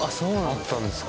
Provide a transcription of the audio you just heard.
あったんですか？